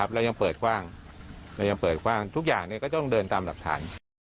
เรายังเปิดกว้างทุกอย่างก็ต้องเดินตามหลักฐาน